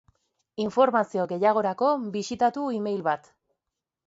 Informazio gehiagorako bisitatu e-mail bat.